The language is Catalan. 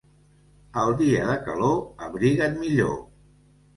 El dia de calor, abriga't millor.